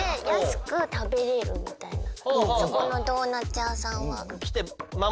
そこのドーナツ屋さんは。